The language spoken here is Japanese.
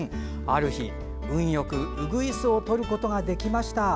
ある日、運よくウグイスを撮ることができました。